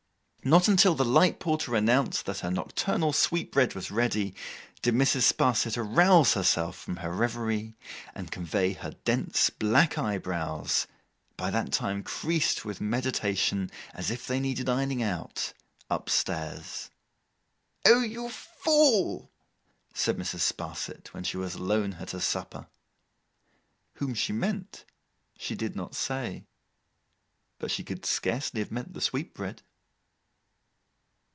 Not until the light porter announced that her nocturnal sweetbread was ready, did Mrs. Sparsit arouse herself from her reverie, and convey her dense black eyebrows—by that time creased with meditation, as if they needed ironing out up stairs. 'O, you Fool!' said Mrs. Sparsit, when she was alone at her supper. Whom she meant, she did not say; but she could scarcely have meant the sweetbread.